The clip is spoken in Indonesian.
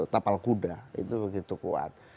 tapal kuda itu begitu kuat